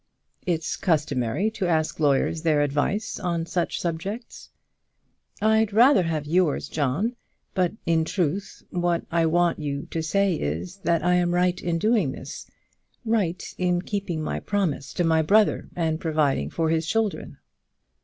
"It's customary to ask lawyers their advice on such subjects." "I'd rather have yours, John. But, in truth, what I want you to say is, that I am right in doing this, right in keeping my promise to my brother, and providing for his children."